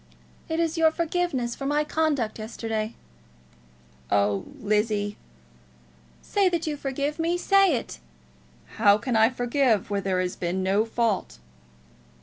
"It is your forgiveness for my conduct yesterday." "Oh, Lizzie!" "Say that you forgive me. Say it!" "How can I forgive where there has been no fault?"